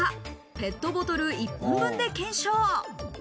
ペットボトル１本分で検証。